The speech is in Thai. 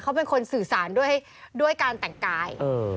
เขาเป็นคนสื่อสารด้วยการแต่งกาย